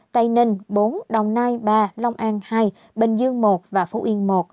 tây ninh bốn đồng nai ba long an hai bình dương một và phú yên một